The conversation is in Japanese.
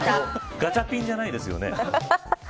ガチャピンじゃないですよね。